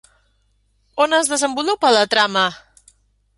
On es desenvolupa la trama?